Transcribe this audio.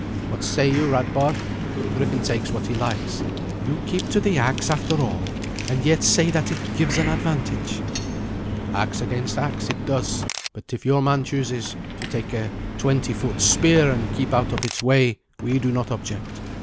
What say you, Radbard? Griffin takes what he likes." "You keep to the axe after all, and yet say that it gives an advantage." "Axe against axe it does, but if your man chooses to take a twenty foot spear and keep out of its way, we do not object.